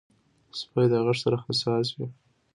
سپي د غږ سره حساس وي.